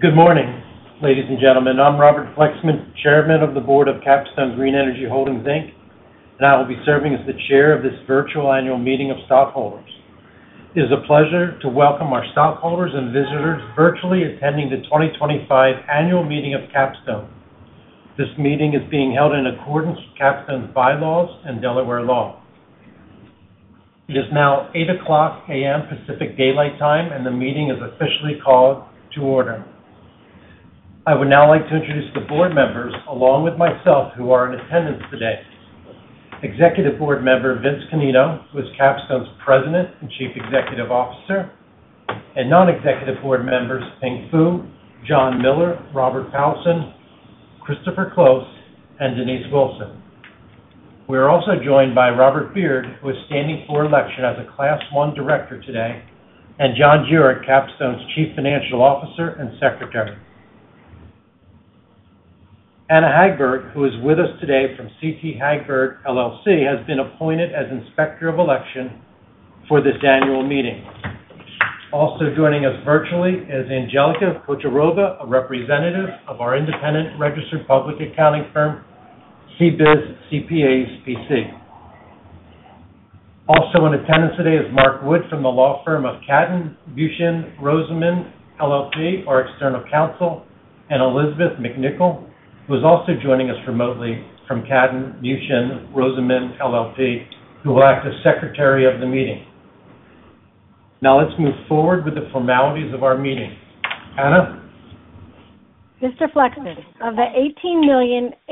Good morning, ladies and gentlemen. I'm Robert Flexon, Chairman of the Board of Capstone Green Energy Holdings, Inc., and I will be serving as the Chair of this virtual annual meeting of stockholders. It is a pleasure to welcome our stockholders and visitors virtually attending the 2025 annual meeting of Capstone. This meeting is being held in accordance with Capstone's bylaws and Delaware law. It is now 8:00 A.M. Pacific Daylight Time, and the meeting is officially called to order. I would now like to introduce the Board members, along with myself, who are in attendance today: Executive Board Member Vince Canino, who is Capstone's President and Chief Executive Officer, and Non-Executive Board Members Ping Fu, John Miller, Robert Powelson, Christopher Close, and Denise Wilson. We are also joined by Robert Beard, who is standing for election as a Class one Director today, and John Juric, Capstone's Chief Financial Officer and Secretary. Anna Hagberg, who is with us today from Carl T Hagberg LLC, has been appointed as Inspector of Election for this annual meeting. Also joining us virtually is Angelica Ochoroga, a representative of our independent registered public accounting firm, CBIZ CPAs PC. Also in attendance today is Mark Wood from the law firm of Katten Muchin Rosenman LLP, our external counsel, and Elizabeth McNichol, who is also joining us remotely from Katten Muchin Rosenman LLP, who will act as Secretary of the meeting. Now let's move forward with the formalities of our meeting. Anna? Mr. Flexon, of the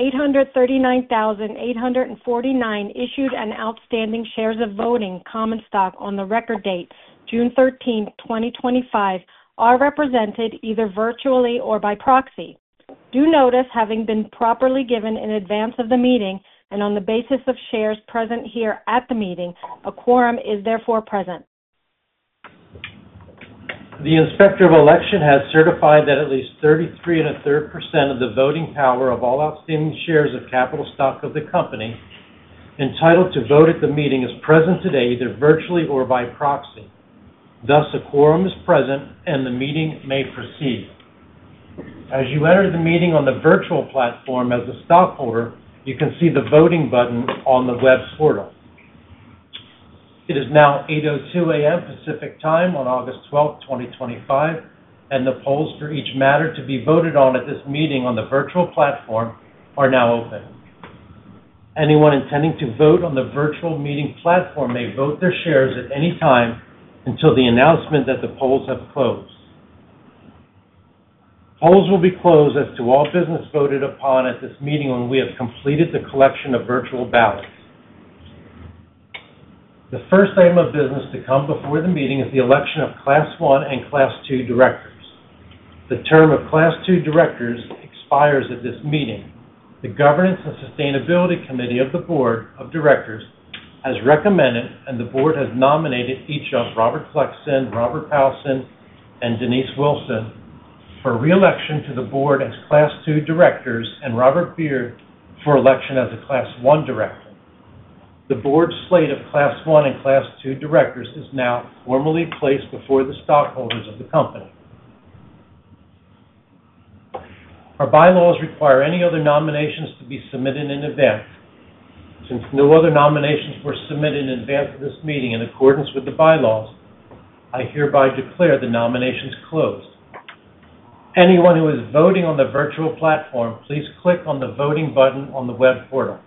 18,839,849 issued and outstanding shares of voting common stock on the record date June 13, 2025, are represented either virtually or by proxy. Due notice having been properly given in advance of the meeting and on the basis of shares present here at the meeting, a quorum is therefore present. The Inspector of Election has certified that at least 33.33% of the voting power of all outstanding shares of capital stock of the company entitled to vote at the meeting is present today, either virtually or by proxy. Thus, a quorum is present and the meeting may proceed. As you enter the meeting on the virtual platform as a stockholder, you can see the voting button on the web portal. It is now 8:02 A.M. Pacific Time on August 12, 2025, and the polls for each matter to be voted on at this meeting on the virtual platform are now open. Anyone intending to vote on the virtual meeting platform may vote their shares at any time until the announcement that the polls have closed. Polls will be closed as to all business voted upon at this meeting when we have completed the collection of virtual ballots. The first item of business to come before the meeting is the election of Class one and Class two Directors. The term of Class two Directors expires at this meeting. The Governance and Sustainability Committee of the Board of Directors has recommended, and the Board has nominated each of Robert Flexon, Robert Felson, and Denise Wilson for reelection to the Board as Class two Directors, and Robert Beard for election as a Class one Director. The Board slate of Class 1 and Class 2 Directors is now formally placed before the stockholders of the company. Our bylaws require any other nominations to be submitted in advance. Since no other nominations were submitted in advance of this meeting in accordance with the bylaws, I hereby declare the nominations closed. Anyone who is voting on the virtual platform, please click on the voting button on the web portal.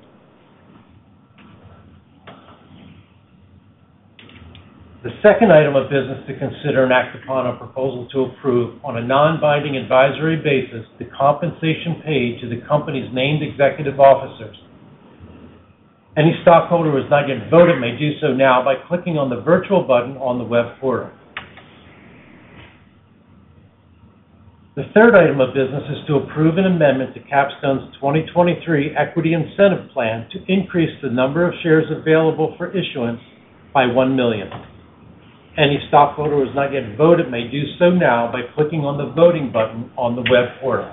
The second item of business to consider and act upon a proposal to approve on a non-binding advisory basis the compensation paid to the company's named executive officers. Any stockholder who has not yet voted may do so now by clicking on the virtual button on the web portal. The third item of business is to approve an amendment to Capstone's 2023 Equity Incentive Plan to increase the number of shares available for issuance by 1 million. Any stockholder who has not yet voted may do so now by clicking on the voting button on the web portal.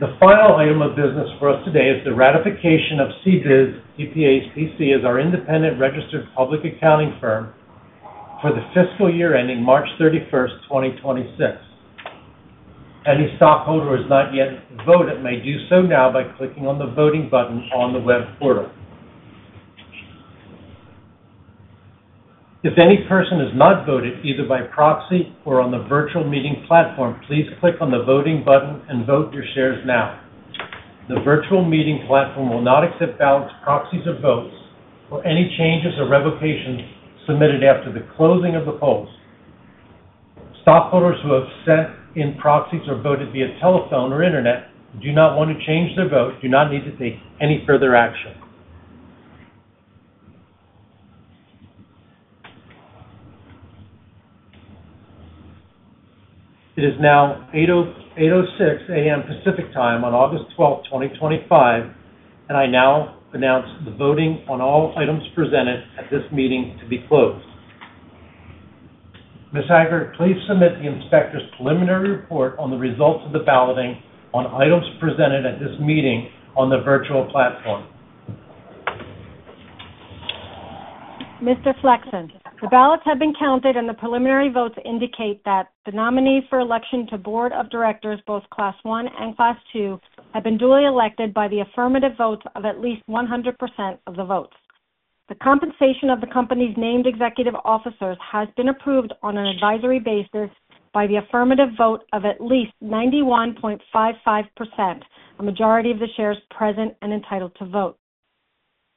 The final item of business for us today is the ratification of CBIZ CPAs PC as our independent registered public accounting firm for the fiscal year ending March 31, 2026. Any stockholder who has not yet voted may do so now by clicking on the voting button on the web portal. If any person has not voted either by proxy or on the virtual meeting platform, please click on the voting button and vote your shares now. The virtual meeting platform will not accept proxies or votes or any changes or revocations submitted after the closing of the polls. Stockholders who have sent in proxies or voted via telephone or internet and do not want to change their vote do not need to take any further action. It is now 8:06 A.M. Pacific Time on August 12, 2025, and I now announce the voting on all items presented at this meeting to be closed. Ms. Hagberg, please submit the Inspector's preliminary report on the results of the balloting on items presented at this meeting on the virtual platform. Mr. Flexon, the ballots have been counted and the preliminary votes indicate that the nominees for election to Board of Directors, both Class one and Class two, have been duly elected by the affirmative votes of at least 100% of the votes. The compensation of the company's named executive officers has been approved on an advisory basis by the affirmative vote of at least 91.55%, a majority of the shares present and entitled to vote.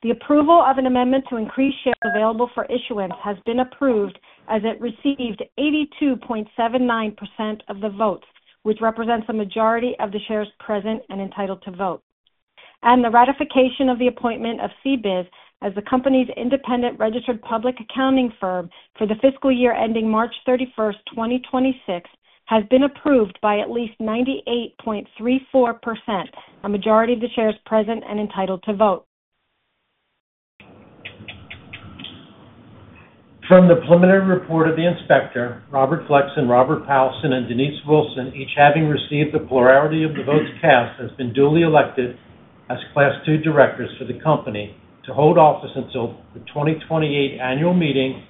The approval of an amendment to increase shares available for issuance has been approved as it received 82.79% of the votes, which represents a majority of the shares present and entitled to vote. The ratification of the appointment of CBIZ CPAs PC as the company's independent registered public accounting firm for the fiscal year ending March 31st, 2026, has been approved by at least 98.34%, a majority of the shares present and entitled to vote. From the preliminary report of the Inspector, Robert Flexon, Denise Wilson, and Robert Felson, each having received the plurality of the votes cast, has been duly elected as Class two Directors for the company to hold office until the 2028 annual meeting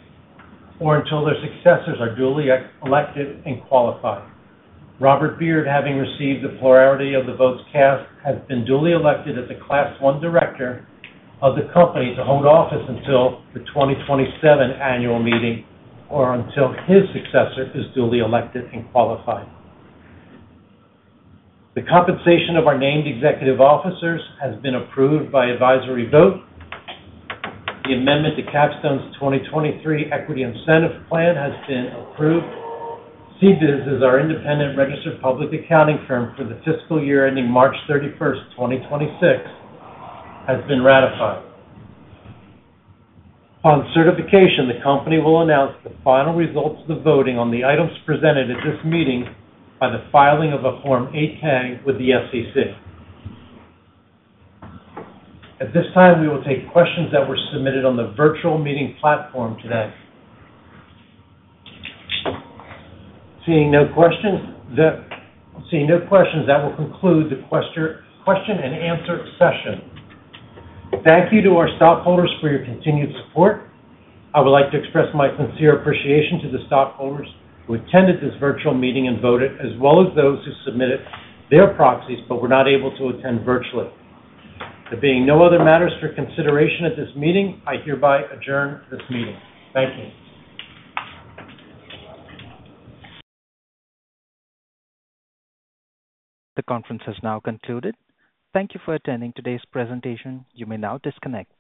or until their successors are duly elected and qualified. Robert Beard, having received the plurality of the votes cast, has been duly elected as the Class one Director of the company to hold office until the 2027 annual meeting or until his successor is duly elected and qualified. The compensation of our named executive officers has been approved by advisory vote. The amendment to Capstone's 2023 Equity Incentive Plan has been approved. CBIZ as our independent registered public accounting firm for the fiscal year ending March 31, 2026, has been ratified. On certification, the company will announce the final results of the voting on the items presented at this meeting by the filing of a Form 8-K with the SEC. At this time, we will take questions that were submitted on the virtual meeting platform today. Seeing no questions, that will conclude the question and answer session. Thank you to our stockholders for your continued support. I would like to express my sincere appreciation to the stockholders who attended this virtual meeting and voted, as well as those who submitted their proxies but were not able to attend virtually. There being no other matters for consideration at this meeting, I hereby adjourn this meeting. Thank you. The conference has now concluded. Thank you for attending today's presentation. You may now disconnect.